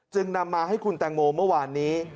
นำมาให้คุณแตงโมเมื่อวานนี้